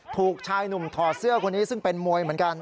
ถูกชายหนุ่มถอดเสื้อคนนี้ซึ่งเป็นมวยเหมือนกัน